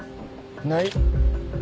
ない。